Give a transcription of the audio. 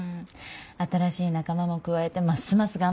新しい仲間も加えてますます頑張んないとね。